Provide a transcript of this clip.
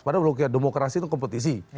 padahal demokrasi itu kompetisi